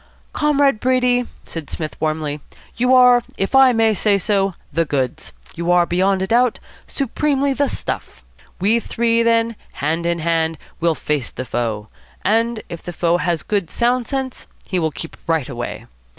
"Comrade Brady," said Psmith warmly, "you are, if I may say so, the goods. You are, beyond a doubt, supremely the stuff. We three, then, hand in hand, will face the foe; and if the foe has good, sound sense, he will keep right away.